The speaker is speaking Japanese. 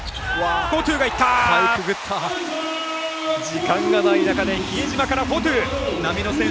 時間がない中で比江島からフォトゥ。